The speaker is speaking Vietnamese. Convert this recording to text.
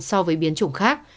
so với biến chủng khác